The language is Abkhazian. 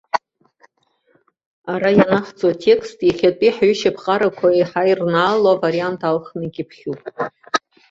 Ара ианаҳҵо атекст иахьатәи ҳҩышьаԥҟарақәа еиҳа ирнаало авариант алхны икьыԥхьуп.